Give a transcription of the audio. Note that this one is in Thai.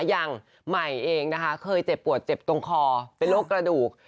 อย่างใหม่เองนะคะเคยเจ็บปวดเจ็บตรงคอเป็นโรคกระดูก